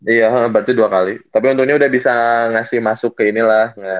iya berarti dua kali tapi untungnya udah bisa ngasih masuk ke ini lah